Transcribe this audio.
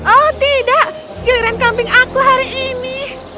oh tidak giliran kambing aku hari ini